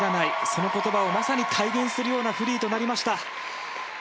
その言葉をまさに体現するようなフリーとなりました。